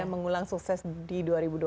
mengulang sukses di dua ribu dua puluh dua